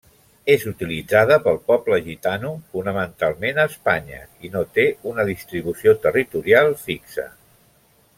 És utilitzada pel poble gitano, fonamentalment a Espanya, i no té una distribució territorial fixa.